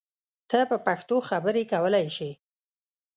ته په پښتو خبری کولای شی!